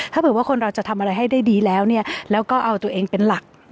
ถ้าเผื่อว่าคนเราจะทำอะไรให้ได้ดีแล้วแล้วก็เอาตัวเองเป็นหลัก